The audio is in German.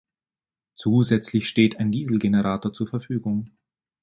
Zusätzlich steht ein Dieselgenerator zur Verfügung.